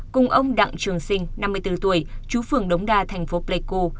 cùng ông đặng trường sinh năm mươi bốn tuổi chú phường đống đa thành phố pleiku